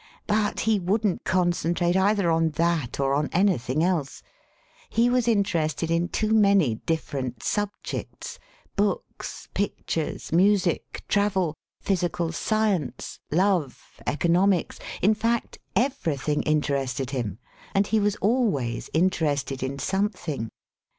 But he wouldn't concentrate either on that or on anything else. He was interested in too many different subjects — ^booka, pictures, music, travel, physical science, love, economics — in fact, every thing interested him, and he was always intei> ested in something.